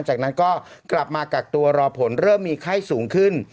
จากนั้นก็กลับมากักตัวรอผลเริ่มมีไข้สูงขึ้น